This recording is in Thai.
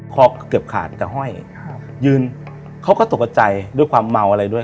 คอเกือบขาดกับห้อยครับยืนเขาก็ตกกระใจด้วยความเมาอะไรด้วย